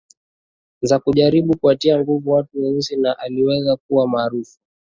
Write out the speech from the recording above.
Za kujaribu kuwatia nguvu watu weusi na aliweza kuwa maarufu